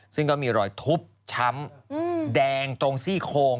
ซึ่งก็มีรอยทุบช้ำแดงตรงซี่โคง